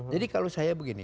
jadi kalau saya begini